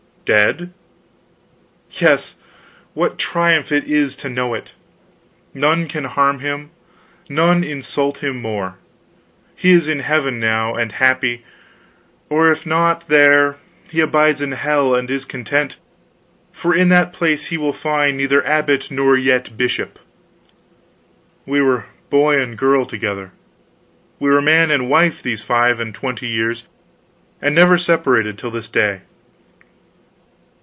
"Dead?" "Yes, what triumph it is to know it! None can harm him, none insult him more. He is in heaven now, and happy; or if not there, he bides in hell and is content; for in that place he will find neither abbot nor yet bishop. We were boy and girl together; we were man and wife these five and twenty years, and never separated till this day.